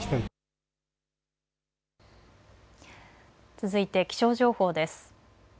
続いて気象情報です。